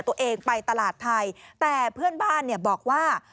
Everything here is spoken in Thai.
ตัวเองไปตลาดไทยแต่เพื่อนบ้านเนี่ยบอกว่า